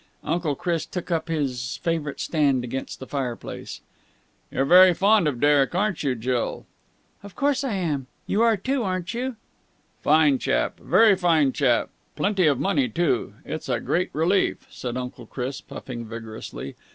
Uncle Chris took up his favourite stand against the fireplace. "You're very fond of Derek, aren't you, Jill?" "Of course I am. You are, too, aren't you?" "Fine chap. Very fine chap. Plenty of money, too. It's a great relief," said Uncle Chris, puffing vigorously.